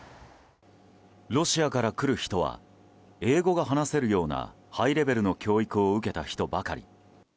ロシアから来る人は英語が話せるようなハイレベルの教育を受けた人ばかり。